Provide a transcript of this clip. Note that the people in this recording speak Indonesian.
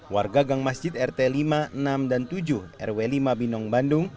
warga gang masjid rt lima enam dan tujuh rw lima binong bandung